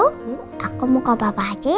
kalau gitu aku mau ke papa aja ya